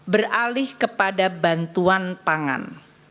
beralih kepada bantuan pangan